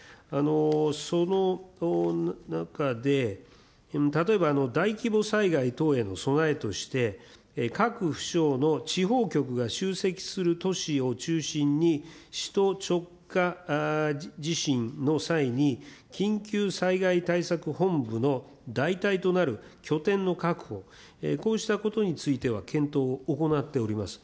その中で、例えば、大規模災害等への備えとして、各府省の地方局が集積する都市を中心に、首都直下地震の際に、緊急災害対策本部の代替となる拠点の確保、こうしたことについては、検討を行っております。